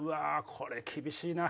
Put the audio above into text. これ厳しいな。